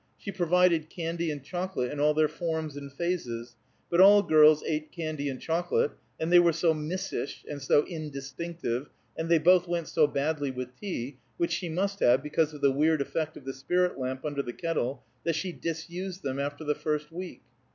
She provided candy and chocolate in all their forms and phases, but all girls ate candy and chocolate, and they were so missish, and so indistinctive, and they both went so badly with tea, which she must have because of the weird effect of the spirit lamp under the kettle, that she disused them after the first week.